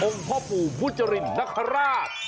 องค์พ่อผู้ผู้จรินนักฮราช